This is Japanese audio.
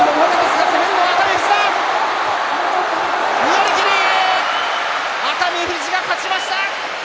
寄り切り熱海富士が勝ちました。